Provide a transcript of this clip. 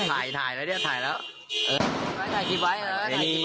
ถ่ายถ่ายแล้วถ่ายแล้วถ่ายแล้ว